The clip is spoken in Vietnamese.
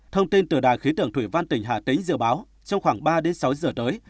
thông tin từ đài khí tượng thủy văn tỉnh hà tĩnh dự báo trong khoảng ba đến sáu giờ tới